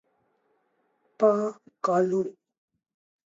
পা কালো।